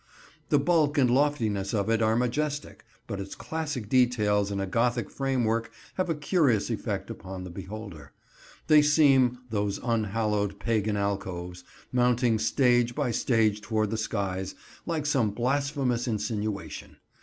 The bulk and loftiness of it are majestic, but its classic details in a Gothic framework have a curious effect on the beholder. They seem, those unhallowed pagan alcoves, mounting stage by stage toward the skies, like some blasphemous insinuation.